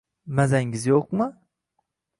Mazangiz yo`qmi